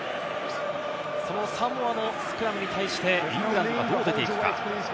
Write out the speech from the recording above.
そのサモアのスクラムに対して、イングランドはどう出ていくか。